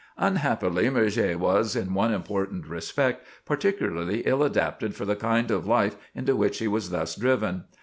Unhappily, Murger was, in one important respect, particularly ill adapted for the kind of life into which he was thus driven.